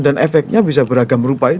dan efeknya bisa beragam rupa itu